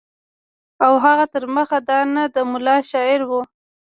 او هغه تر مخه دانه د ملا شعر وو.